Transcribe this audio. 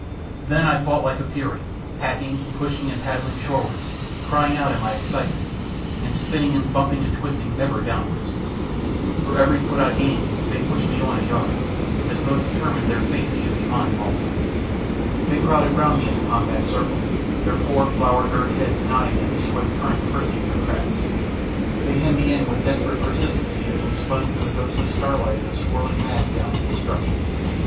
Then I fought like a fury, hacking, pushing, and paddling shorewards, crying out in my excitement, and spinning and bumping and twisting ever downwards. For every foot I gained they pushed me on a yard, as though determined their fate should be mine also. They crowded round me in a compact circle, their poor flower girt heads nodding as the swift current curtsied their crafts. They hemmed me in with desperate persistency as we spun through the ghostly starlight in a swirling mass down to destruction!